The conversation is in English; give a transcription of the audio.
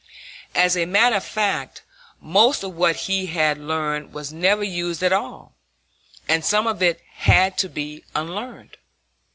As a matter of fact, most of what he had learned was never used at all, and some of it had to be unlearned.